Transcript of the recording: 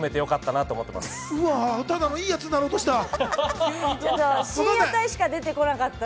ただ、いいやつになろうとした。